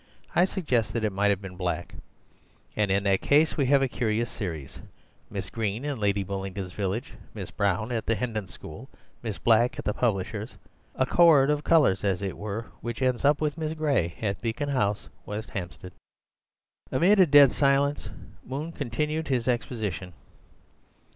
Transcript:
I suggest that it might have been Black, and in that case we have a curious series: Miss Green in Lady Bullingdon's village; Miss Brown at the Hendon School; Miss Black at the publishers. A chord of colours, as it were, which ends up with Miss Gray at Beacon House, West Hampstead." Amid a dead silence Moon continued his exposition.